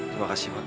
terima kasih pak